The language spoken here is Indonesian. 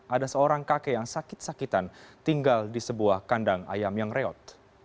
ada seorang kakek yang sakit sakitan tinggal di sebuah kandang ayam yang reot